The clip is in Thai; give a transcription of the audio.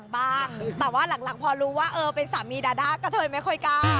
บ้างแต่ว่าหลังพอรู้ว่าเออเป็นสามีดาด้ากระเทยไม่ค่อยกล้า